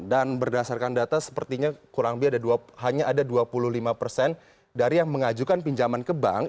dan berdasarkan data sepertinya kurang lebih hanya ada dua puluh lima persen dari yang mengajukan pinjaman ke bank